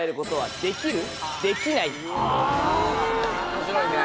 面白いね。